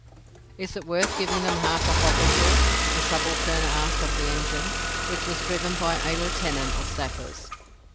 "Is it worth giving them half a hopper full?" the subaltern asked of the engine, which was driven by a Lieutenant of Sappers.